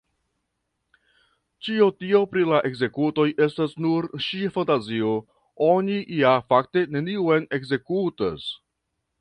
Ĉio tio pri la ekzekutoj estas nur ŝia fantazio; oni ja fakte neniun ekzekutas!